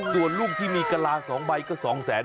ส่วนลูกที่มีกะลา๒ใบก็๒๐๐๐๐๐บาท